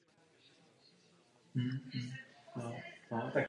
Současná podoba kostela je tvořena směsí různých stavebních úprav napříč dějinami.